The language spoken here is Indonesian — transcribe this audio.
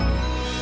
ini mantu saya